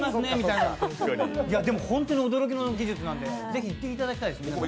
でも本当に驚きの技術なんで、ぜひ行っていただきたいですね。